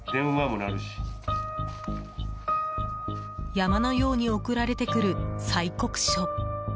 山のように送られてくる催告書。